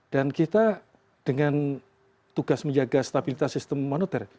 kita dengan tugas menjaga stabilitas sistem moneter